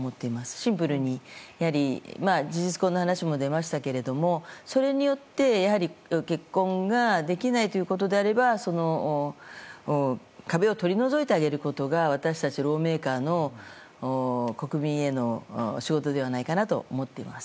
シンプルにやはり事実婚の話も出ましたけどそれによって結婚ができないということであれば壁を取り除いてあげることが私たち、Ｌａｗｍａｋｅｒの国民への仕事ではないかなと思っています。